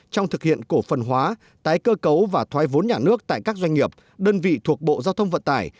trong thực hiện cổ phần hóa tái cơ cấu và thoái vốn nhà nước tại các doanh nghiệp đơn vị thuộc bộ giao thông vận tải